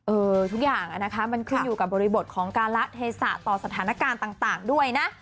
ทุกอย่างนะคะมันขึ้นอยู่กับบริบทของการละเทศะต่อสถานการณ์ต่างด้วยนะ